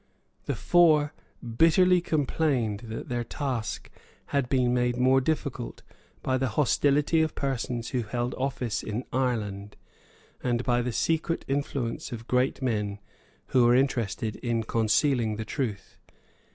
The four bitterly complained that their task had been made more difficult by the hostility of persons who held office in Ireland, and by the secret influence of great men who were interested in concealing the truth.